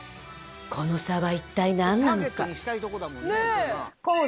この差は一体なんなのか？